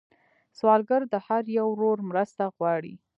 سوالګر د هر یو ورور مرسته غواړي